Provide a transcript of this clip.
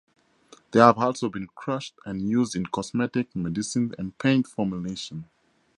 They have also been crushed and used in cosmetics, medicines and paint formulations.